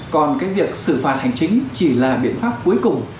còn cái việc xử phạt hành chính chỉ là biện pháp cuối cùng